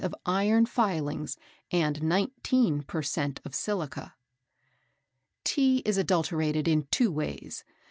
of iron filings and 19 per cent. of silica. Tea is adulterated in two ways.